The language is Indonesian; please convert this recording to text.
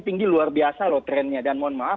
tinggi luar biasa loh trennya dan mohon maaf